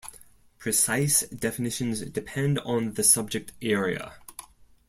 Precise definitions depend on the subject area.